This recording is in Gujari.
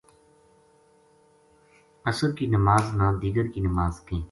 عصر کی نماز نا دیگر کی نماز کہیں۔